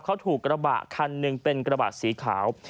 เขาถูกกระบะคันหนึ่งเป็นกระบะสีขาว